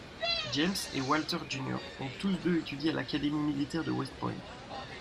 James et Walter Jr ont tous deux étudié à l'Académie militaire de West Point.